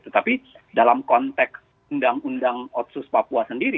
tetapi dalam konteks undang undang otsus papua sendiri